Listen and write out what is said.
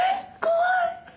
怖い！